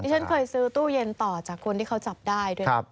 ฉันเคยซื้อตู้เย็นต่อจากคนที่เขาจับได้ด้วยครับ